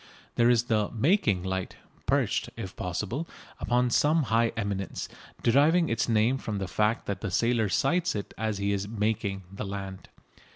There is the "making" light, perched, if possible, upon some high eminence, deriving its name from the fact that the sailor sights it as he is "making" the land.